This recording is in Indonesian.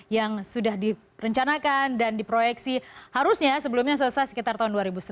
yang sudah direncanakan dan diproyeksi harusnya sebelumnya selesai sekitar tahun dua ribu sembilan belas